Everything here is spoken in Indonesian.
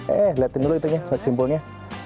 eh liatin dulu itunya simpulnya